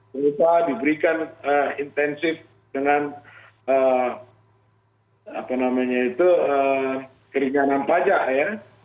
mungkin diberikan intensif dengan apa namanya itu keringanan pajak ya